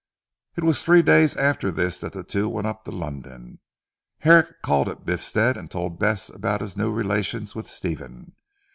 It was three days after this that the two went up to London. Herrick called at Biffstead, and told Bess about his new relations with Stephen.